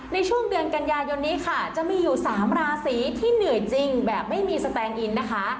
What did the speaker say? ในช่วงเดือนกันยายนนี้ค่ะจะมีอยู่๓ราศีที่เหนื่อยจริงแบบไม่มีสแตนอินนะคะ